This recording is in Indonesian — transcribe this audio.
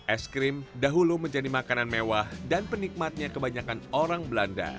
es krim dahulu menjadi makanan mewah dan penikmatnya kebanyakan orang belanda